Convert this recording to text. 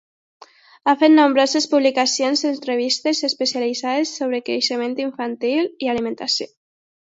Ha fet nombroses publicacions en revistes especialitzades sobre creixement infantil i alimentació.